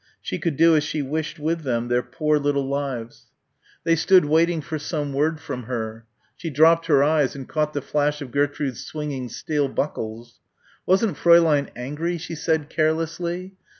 She could do as she wished with them their poor little lives. They stood waiting for some word from her. She dropped her eyes and caught the flash of Gertrude's swinging steel buckles. "Wasn't Fräulein angry?" she said carelessly.